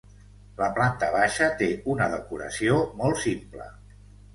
La planta baixa té una decoració molt simple.